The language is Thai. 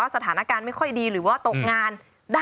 สถานการณ์ไม่ค่อยดีหรือว่าตกงาน